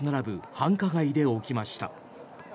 繁華街で起きました。